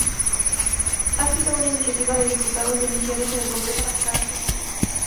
Había sido una iniciativa de diputados de Misiones en el Congreso Nacional Argentino.